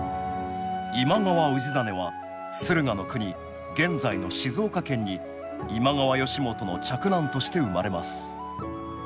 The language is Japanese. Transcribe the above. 今川氏真は駿河国現在の静岡県に今川義元の嫡男として生まれます